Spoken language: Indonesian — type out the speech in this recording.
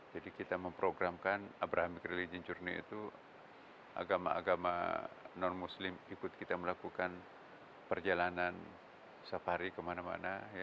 jadi kita memprogramkan abrahamic religion jurni itu agama agama non muslim ikut kita melakukan perjalanan safari kemana mana